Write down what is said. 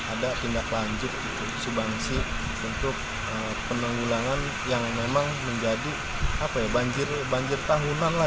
ada tindak lanjut sumbangsi untuk penanggulangan yang memang menjadi banjir tahunan lah